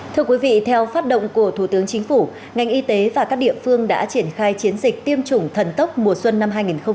thưa quý vị theo phát động của thủ tướng chính phủ ngành y tế và các địa phương đã triển khai chiến dịch tiêm chủng thần tốc mùa xuân năm hai nghìn hai mươi